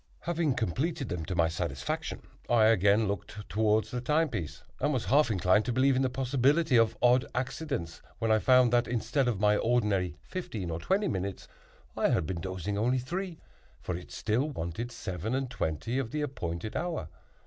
Having completed them to my satisfaction, I again looked toward the time piece and was half inclined to believe in the possibility of odd accidents when I found that, instead of my ordinary fifteen or twenty minutes, I had been dozing only three; for it still wanted seven and twenty of the appointed hour.